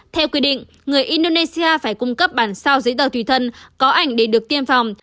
theo quy định người indonesia phải cung cấp bản sao giấy tờ tùy thân có ảnh để được tiêm phòng